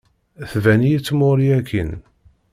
Tban-iyi tmuɣli akkin.